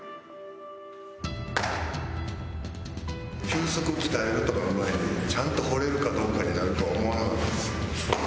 球速鍛えるとかの前にちゃんと放れるかどうかになるとは思わなかったです。